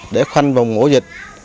để khoanh vùng ngũ dịch